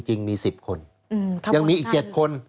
จริงมี๑๐คนยังมีอีก๗คน